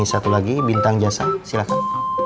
ini satu lagi bintang jasa silahkan